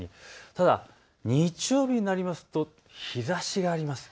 ただ日曜日になると日ざしがあります。